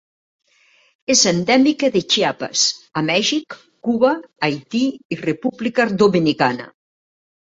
És endèmica de Chiapas a Mèxic, Cuba, Haití i República Dominicana.